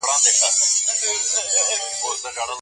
امن او سکون په کومه کورنۍ کي وي؟